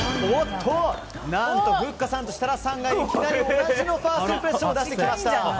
何と、ふっかさんと設楽さんがいきなり同じファーストインプレッションを出してきました。